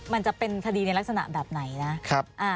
มันจะเป็นคดีในลักษณะแบบไหนนะ